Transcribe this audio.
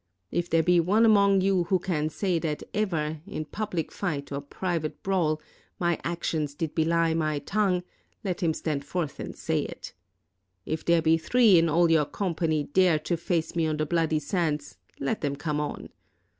If there be one among you who can say that ever, in public fight or private brawl, my actions did belie my tongue, let him stand forth and say it. If there be three in all your company dare to face me on the bloody sands, let them come on.